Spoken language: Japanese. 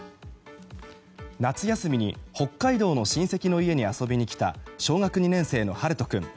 夏休みに北海道の親戚の家に遊びに来た小学２年生の、はると君。